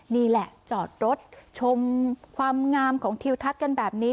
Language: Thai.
นี่แหละจอดรถชมความงามของทิวทัศน์กันแบบนี้